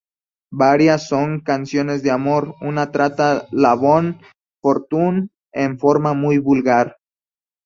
Varias son canciones de amor; una trata la bonne fortune en forma muy vulgar.